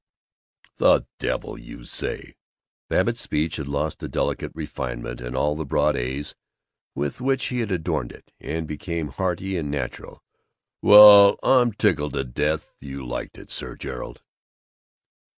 "The devil you say!" Babbitt's speech had lost the delicate refinement and all the broad A's with which he had adorned it, and become hearty and natural. "Well, I'm tickled to death you liked it, Sir Gerald."